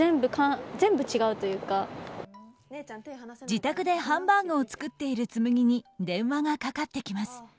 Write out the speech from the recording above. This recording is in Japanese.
自宅でハンバーグを作っている紬に電話がかかってきます。